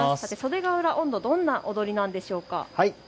袖ケ浦音頭、どんなものなんでしょうか。